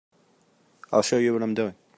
I'll show you what I'm doing.